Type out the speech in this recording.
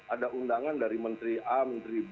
ada undangan dari menteri a menteri b